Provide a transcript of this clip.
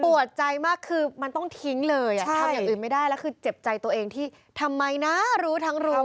ใจมากคือมันต้องทิ้งเลยทำอย่างอื่นไม่ได้แล้วคือเจ็บใจตัวเองที่ทำไมนะรู้ทั้งรู้